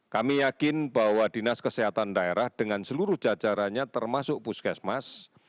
kami yakin bahwa dinas kesehatan daerah dengan seluruh jajarannya termasuk puskesmas